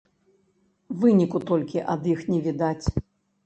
Выніку толькі ад іх не відаць.